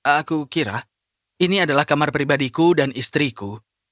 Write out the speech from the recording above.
aku kira ini adalah kamar pribadiku dan istriku